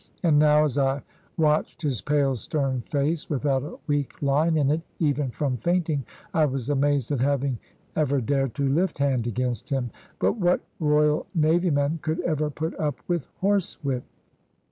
And now as I watched his pale stern face without a weak line in it even from fainting, I was amazed at having ever dared to lift hand against him. But what Royal Navyman could ever put up with horsewhip?